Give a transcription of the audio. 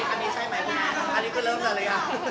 อันนี้ใช่ไหมอันนี้ก็เริ่มจากอะไร